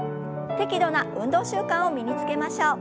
適度な運動習慣を身につけましょう。